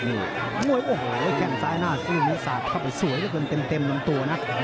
โอ้โหแค่งซ้ายหน้าซื่อมิสาธิ์เข้าไปสวยเต็มลำตัวนะ